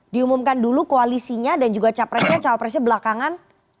diumumkan dulu koalisinya dan juga capresnya cawapresnya belakangan